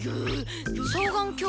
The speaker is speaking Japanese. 双眼鏡！